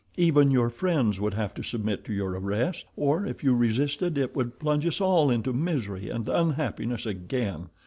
Even your friends would have to submit to your arrest, or if you resisted it would plunge us all into misery and unhappiness again.